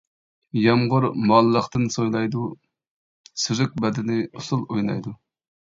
يامغۇر مۇئەللەقتىن سويلايدۇ، سۈزۈك بەدىنى ئۇسسۇل ئوينايدۇ.